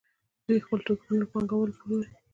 دوی خپل توکي په نورو پانګوالو پلوري